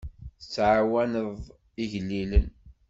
Tettɛawaneḍ igellilen.